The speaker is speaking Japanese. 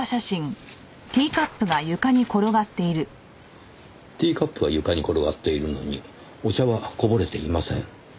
ティーカップは床に転がっているのにお茶はこぼれていません。